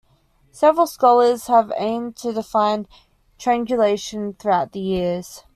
Several scholars have aimed to define triangulation throughout the years.